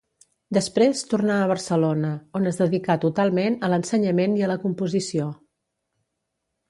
Després tornà a Barcelona, on es dedicà totalment a l'ensenyament i a la composició.